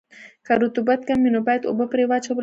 که رطوبت کم وي نو باید اوبه پرې واچول شي